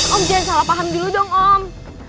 om jangan salah paham dulu dong om